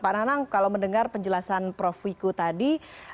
pak nanang kalau mendengar penjelasan prof wiku tadi